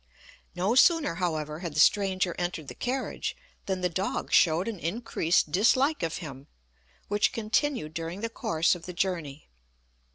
No sooner, however, had the stranger entered the carriage, than the dog showed an increased dislike of him, which continued during the course of the journey.